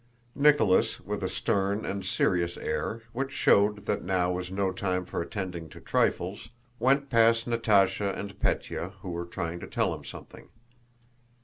Nicholas, with a stern and serious air which showed that now was no time for attending to trifles, went past Natásha and Pétya who were trying to tell him something.